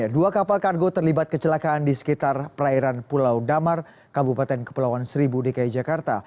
dua kapal kargo terlibat kecelakaan di sekitar perairan pulau damar kabupaten kepulauan seribu dki jakarta